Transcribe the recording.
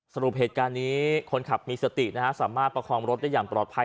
สรุปเหตุการณ์นี้คนขับมีสตินะฮะสามารถประคองรถได้อย่างปลอดภัย